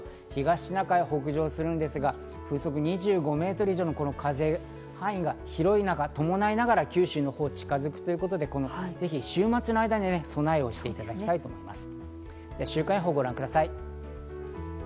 この後、見てみますと東シナ海を北上するんですが、風速２５メートル以上の風、範囲が広い中、暴風を伴いながら九州に近づくということで、週末の間に備えをしていただきたいと思います。